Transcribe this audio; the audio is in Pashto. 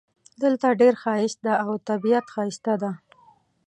دلته ډېر ښایست ده او طبیعت ښایسته ده